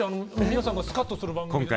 皆さんがスカッとする番組の。